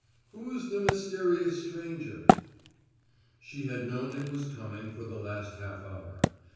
"Who's the mysterious stranger!" She had known it was coming for the last half hour.